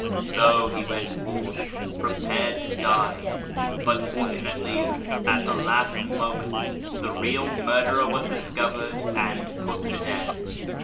So he went forth, pre pared to die ; but fortunately at the last moment the real murderer was discovered and put to death.